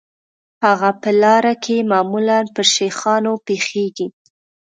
هغه په لاره کې معمولاً پر شیخانو پیښیږي.